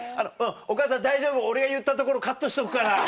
お母さん大丈夫俺が言ったところカットしとくから。